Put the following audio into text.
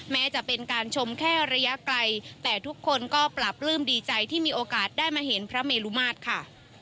แม้จะเป็นการชมแค่ระยะไกลแต่ทุกคนก็ปราบปลื้มดีใจที่มีโอกาสได้มาเห็นพระเมลุมาตรค่ะ